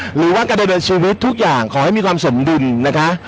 หรือว่าการดำเนินชีวิตทุกอย่างขอให้มีความสมดุลนะคะ